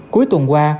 cuối tuần qua